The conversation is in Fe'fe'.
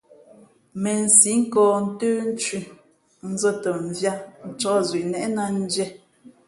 Měnsǐ nkᾱᾱ ntə́nthʉ̄, nzᾱ tα mviāt , ncāk zʉʼnnéʼnā ndiē.